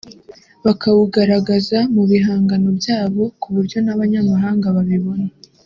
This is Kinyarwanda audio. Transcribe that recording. bakawugaragaza mu bihangano byabo kuburyo n’abanyamahanga babibona